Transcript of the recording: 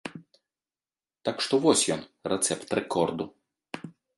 Так што вось ён, рэцэпт рэкорду.